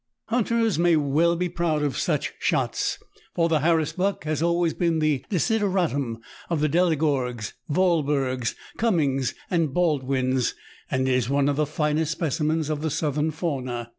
Hunters may well be proud of such shots, for the harrisbuck has always been the desideratum of the Delegorgues, Vahlbergs. Cummings, and Baldwins, and it is one of the finest speci mens of the southern fauna.